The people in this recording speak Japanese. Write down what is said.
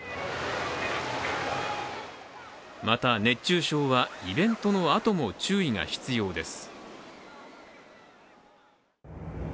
また熱中症はイベントのあとも注意が必要です。